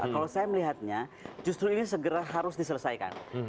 kalau saya melihatnya justru ini segera harus diselesaikan